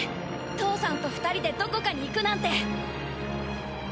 父さんと２人でどこかに行くなんて。